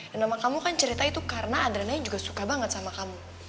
dan mama kamu kan cerita itu karena adriananya juga suka banget sama kamu